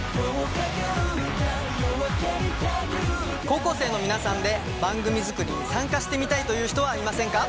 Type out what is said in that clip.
高校生の皆さんで番組作りに参加してみたいという人はいませんか？